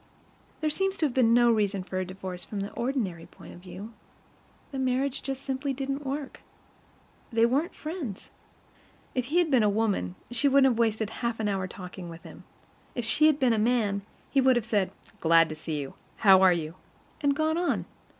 There seems to have been no reason for her divorce from the ordinary point of view; the marriage just simply didn't work. They weren't friends. If he had been a woman, she wouldn't have wasted half an hour talking with him. If she had been a man, he would have said: "Glad to see you. How are you?" and gone on.